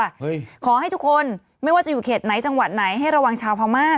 ขอให้ทุกคนไม่ว่าจะอยู่เขตไหนจังหวัดไหนให้ระวังชาวพม่า